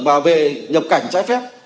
và về nhập cảnh trái phép